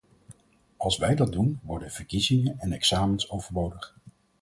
Als wij dat doen, worden verkiezingen en examens overbodig.